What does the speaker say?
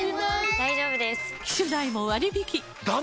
大丈夫です！